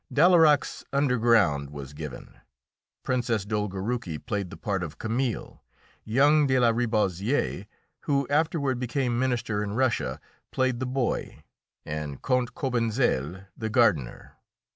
Dalayrac's "Underground" was given. Princess Dolgoruki played the part of Camille; young De la Ribaussière, who afterward became minister in Russia, played the boy; and Count Cobentzel, the gardener.